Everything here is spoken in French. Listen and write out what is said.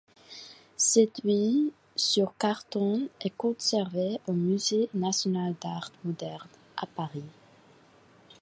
Cette huile sur carton est conservée au musée national d'Art moderne, à Paris.